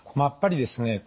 やっぱりですね